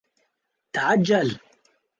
تعجّل!